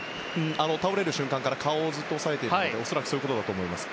倒れる瞬間から顔をずっと押さえていたので恐らくそういうことだと思います。